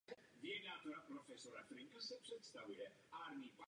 Švédsko hostilo Eurovision Song Contest již pošesté.